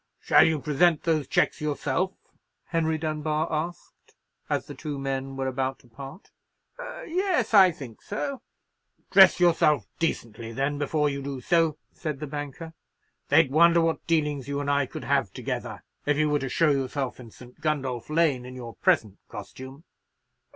"Shall you present those cheques yourself?" Henry Dunbar asked, as the two men were about to part. "Yes, I think so." "Dress yourself decently, then, before you do so," said the banker; "they'd wonder what dealings you and I could have together, if you were to show yourself in St. Gundolph Lane in your present costume."